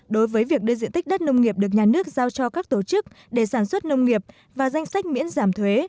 đối với việc đưa diện tích đất nông nghiệp được nhà nước giao cho các tổ chức để sản xuất nông nghiệp và danh sách miễn giảm thuế